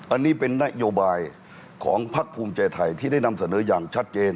อันนี้เป็นนโยบายของพักภูมิใจไทยที่ได้นำเสนออย่างชัดเจน